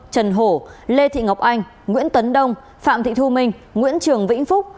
trần hổ lê thị ngọc anh nguyễn tấn đông phạm thị thu minh nguyễn trường vĩnh phúc